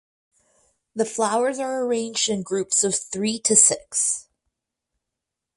The flowers are arranged in groups of three to six.